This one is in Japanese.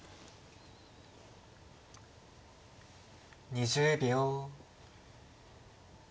２０秒。